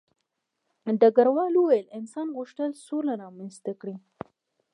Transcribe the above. ډګروال وویل انسان غوښتل سوله رامنځته کړي